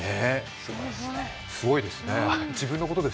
すごいですね